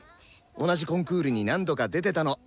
同じコンクールに何度か出てたの。